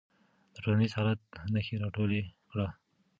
د ټولنیز حالت نښې راټولې کړه.